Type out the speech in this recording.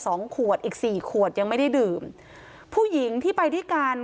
สองขวดอีกสี่ขวดยังไม่ได้ดื่มผู้หญิงที่ไปด้วยกัน